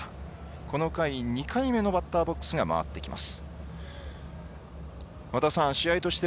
この回、２回目のバッターボックスが回ってきます。